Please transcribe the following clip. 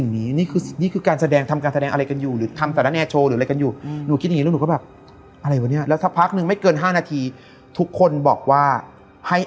ปวดท้องอื๊บเลยมันต้องมา